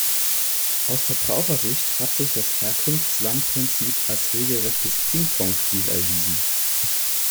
Aus Verbrauchersicht hat sich das Herkunftslandprinzip als regelrechtes Pingpong-Spiel erwiesen.